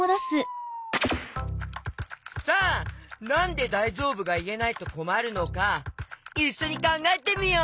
さあなんで「だいじょうぶ？」がいえないとこまるのかいっしょにかんがえてみよう！